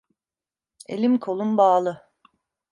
Elim kolum bağlı.